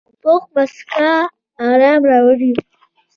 پوخ مسکا آرامي راوړي